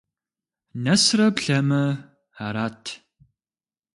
Нэсрэ плъэмэ - арат.